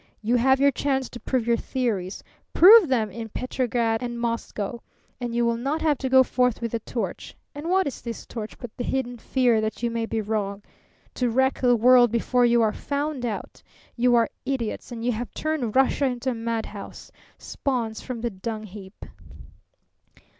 You have your chance to prove your theories. Prove them in Petrograd and Moscow, and you will not have to go forth with the torch. And what is this torch but the hidden fear that you may be wrong?... To wreck the world before you are found out! You are idiots, and you have turned Russia into a madhouse! Spawns from the dung heap!"